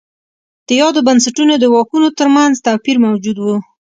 د یادو بنسټونو د واکونو ترمنځ توپیر موجود و.